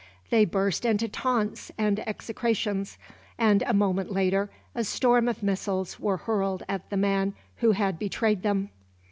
They burst into taunts and execrations, and a moment later a storm of missiles were hurled at the man who had betrayed them.